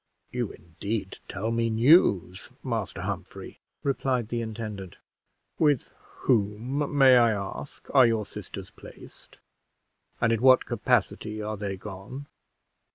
"You indeed tell me news, Master Humphrey," replied the intendant. "With whom, may I ask, are your sisters placed, and in what capacity are they gone?"